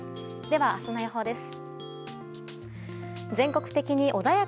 では、明日の予報です。